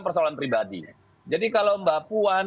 persoalan pribadi jadi kalau mbak puan